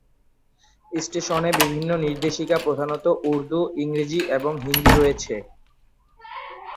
স্টেশনে বিভিন্ন নির্দেশিকা প্রধানত উর্দু, ইংরেজি এবং হিন্দি রয়েছে।